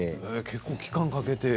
結構、期間かけて。